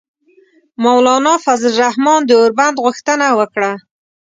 مولانا فضل الرحمان د اوربند غوښتنه وکړه.